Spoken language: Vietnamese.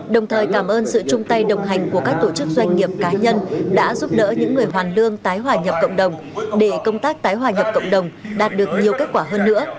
đồng thời cảm ơn sự chung tay đồng hành của các tổ chức doanh nghiệp cá nhân đã giúp đỡ những người hoàn lương tái hòa nhập cộng đồng để công tác tái hòa nhập cộng đồng đạt được nhiều kết quả hơn nữa